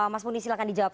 mas muni silahkan dijawab